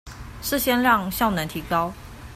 是先讓效能提高